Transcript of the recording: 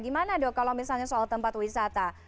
gimana dok kalau misalnya soal tempat wisata